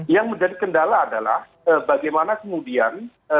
yang menjadi kendala adalah bagaimana kemudian